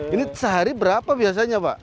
ini sehari berapa biasanya pak